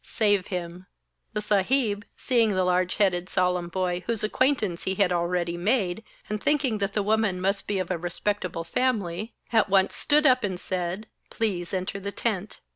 Save him.' The Saheb, seeing the large headed, solemn boy, whose acquaintance he had already made, and thinking that the woman must be of a respectable family, at once stood up and said: 'Please enter the tent.'